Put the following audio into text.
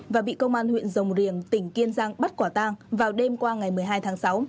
và bị công an huyện rồng riềng tỉnh kiên giang bắt quả tang vào đêm qua ngày một mươi hai tháng sáu